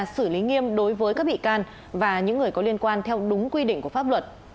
xử lý nghiêm đối với các bị can và những người có liên quan theo đúng quy định của pháp luật